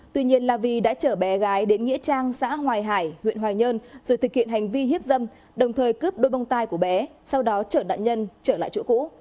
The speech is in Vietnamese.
tuy nhiên la vi đã chở bé gái đến nghĩa trang xã hoài hải huyện hoài nhơn rồi thực hiện hành vi hiếp dâm đồng thời cướp đôi bông tai của bé sau đó chở nạn nhân trở lại chỗ cũ